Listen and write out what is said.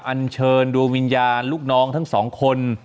อันเชิญดวงวิญญาณลูกน้องทั้งสองคน